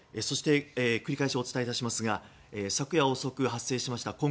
そして、繰り返しお伝えしますが昨夜遅く発生しました